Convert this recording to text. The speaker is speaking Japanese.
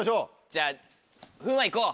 じゃあ風磨いこう。